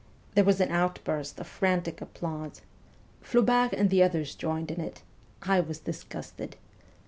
There was an outburst of frantic applause. Flaubert and the others joined in it. I was disgusted.